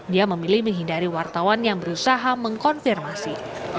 dia memilih menghindari wartawan yang berusaha mengkonfirmasi